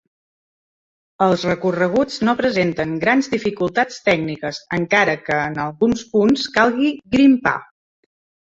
Els recorreguts no presenten grans dificultats tècniques, encara que en alguns punts calgui grimpar.